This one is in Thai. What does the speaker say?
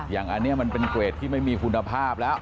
อย่างอันนี้มันเป็นเกรดที่ไม่มีคุณภาพแล้ว